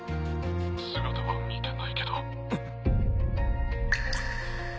姿は見てないけど。